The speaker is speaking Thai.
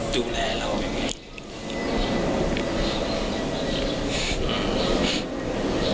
ดูแลเราอย่างนี้